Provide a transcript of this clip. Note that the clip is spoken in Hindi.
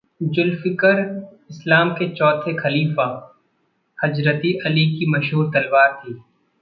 ज़ुलफ़िकर इस्लाम के चौथे खलीफ़ा, हज़रती अली की मशहूर तलवार थी।